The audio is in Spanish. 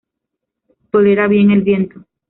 Tolera bien el viento.